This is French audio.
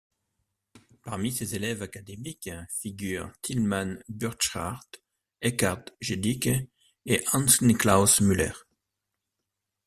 Parmi ses élèves académiques figurent Tillmann Buttschardt, Eckhard Jedicke et Hans-Niklaus Müller.